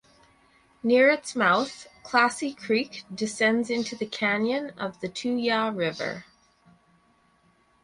Near its mouth Classy Creek descends into the canyon of the Tuya River.